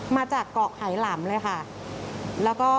มาจากเกาะไหล่หลำล่ะค่ะ